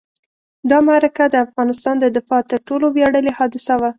دا معرکه د افغانستان د دفاع تر ټولو ویاړلې حادثه وه.